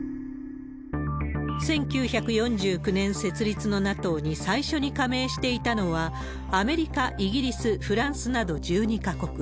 １９４９年設立のＮＡＴＯに最初に加盟していたのは、アメリカ、イギリス、フランスなど１２か国。